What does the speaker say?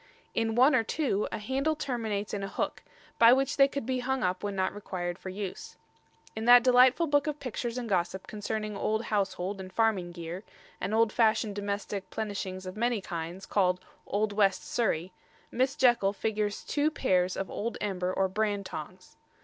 In one or two a handle terminates in a hook, by which they could be hung up when not required for use. In that delightful book of pictures and gossip concerning old household and farming gear, and old fashioned domestic plenishings of many kinds, called "Old West Surrey," Miss Jekyll figures two pairs of old ember or brand tongs.